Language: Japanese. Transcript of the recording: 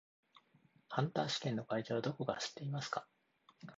ハンター試験の会場どこか知っていますか？